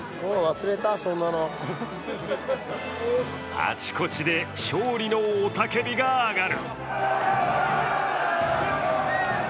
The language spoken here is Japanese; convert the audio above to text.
あちこちで勝利の雄たけびが上がる。